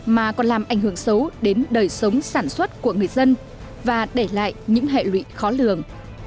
mà còn làm ảnh hưởng xấu đến đời sống sản xuất của người dân và để lại những hệ lụy khó lường